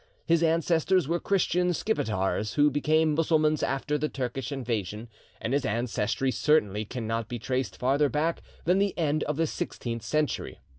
His ancestors were Christian Skipetars, who became Mussulmans after the Turkish invasion, and his ancestry certainly cannot be traced farther back than the end of the sixteenth century.